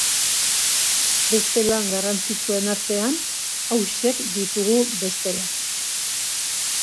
Beste lan garrantzitsuen artean hauexek ditugu bestela.